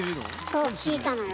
そう聞いたのよ